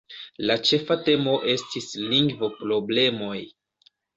La ĉefa temo estis lingvo-problemoj.